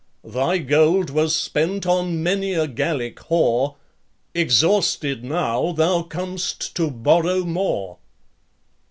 Thy gold was spent on many a Gallic w e; Exhausted now, thou com'st to borrow more.